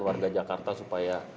warga jakarta supaya